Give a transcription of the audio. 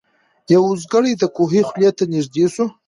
یو اوزګړی د کوهي خولې ته نیژدې سو